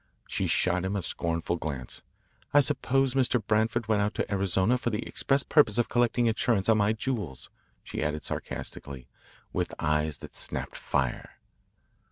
She shot him a scornful glance. "I suppose Mr. Branford went out to Arizona for the express purpose of collecting insurance on my jewels," she added sarcastically with eyes that snapped fire.